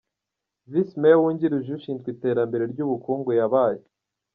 Visi Meya wungirije ushinzwe iterambere ry’ubukungu yabaye .